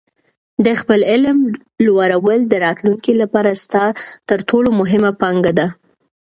د خپل علم لوړول د راتلونکي لپاره ستا تر ټولو مهمه پانګه ده.